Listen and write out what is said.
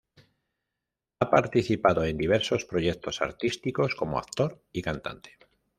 Ha participado en diversos proyectos artísticos como actor y cantante.